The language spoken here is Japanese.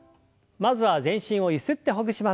まずは全身をゆすってほぐします。